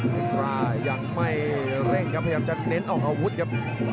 อินตรายังไม่เร่งครับพยายามจะเน้นออกอาวุธครับ